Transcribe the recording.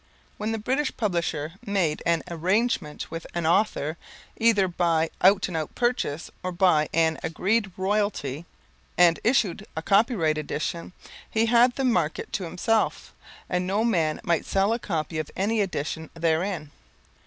When the British publisher made an arrangement with an author either by out and out purchase, or by an agreed royalty, and issued a copyrighted edition, he had the market to himself, and no man might sell a copy of any edition therein.